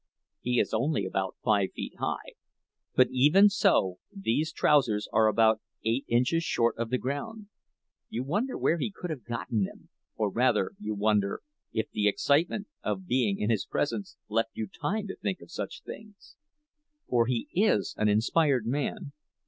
He is only about five feet high, but even so these trousers are about eight inches short of the ground. You wonder where he can have gotten them or rather you would wonder, if the excitement of being in his presence left you time to think of such things. For he is an inspired man.